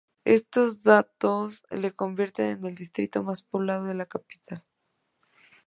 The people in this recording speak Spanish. Esos datos le convierten en el Distrito más poblado de la capital.